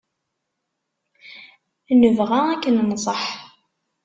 Nebɣa ad k-nenṣeḥ.